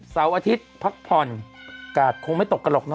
เสาร์อาทิตย์พักผ่อนกาดคงไม่ตกกันหรอกนะ